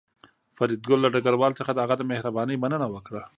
فریدګل له ډګروال څخه د هغه د مهربانۍ مننه وکړه